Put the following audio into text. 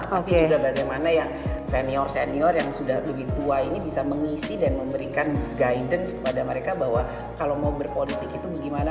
tapi juga bagaimana yang senior senior yang sudah lebih tua ini bisa mengisi dan memberikan guidance kepada mereka bahwa kalau mau berpolitik itu bagaimana